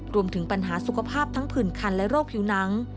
รวมถึงปัญหาสุขภาพทั้งผื่นคันและโรคผิวหนัง